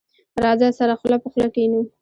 راځه، سره خله په خله کېنو.